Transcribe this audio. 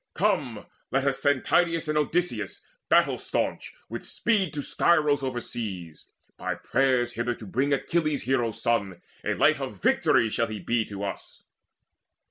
Come, let us send Tydeides and Odysseus battle staunch With speed to Scyros overseas, by prayers Hither to bring Achilles' hero son: A light of victory shall he be to us."